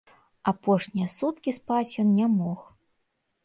Апошнія суткі спаць ён не мог.